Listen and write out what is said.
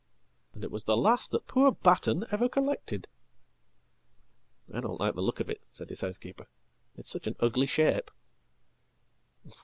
And it was the last that poor Batten ever collected.""I don't like the look of it," said his housekeeper. "It's such an uglyshape.""